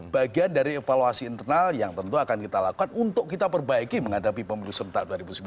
bagian dari evaluasi internal yang tentu akan kita lakukan untuk kita perbaiki menghadapi pemilu serentak dua ribu sembilan belas